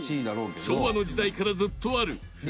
昭和の時代からずっとあるふ